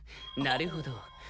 なるほど。